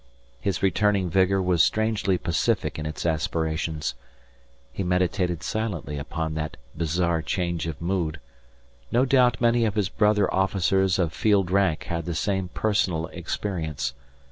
His returning vigour was strangely pacific in its aspirations. He meditated silently upon that bizarre change of mood. No doubt many of his brother officers of field rank had the same personal experience.